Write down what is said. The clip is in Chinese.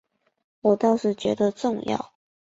我倒是觉得重要